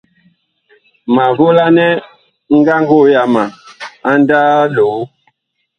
Ma volanɛ ngango yama a ndaa loo.